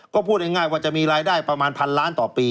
ก็พูดง่ายว่าจะมีรายได้ประมาณพันล้านต่อปี